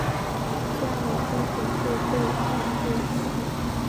加盟申请会被赛会审核。